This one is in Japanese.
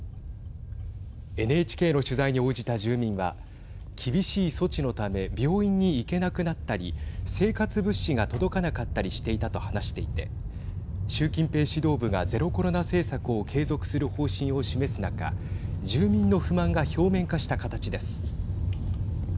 ＮＨＫの取材に応じた住民は厳しい措置のため病院に行けなくなったり生活物資が届かなかったりしていたと話していて習近平指導部がゼロコロナ政策を継続する方針を示す中住民の不満が表面化した形です。